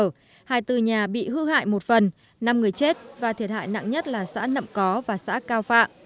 hai mươi bốn nhà bị hư hại một phần năm người chết và thiệt hại nặng nhất là xã nậm có và xã cao phạ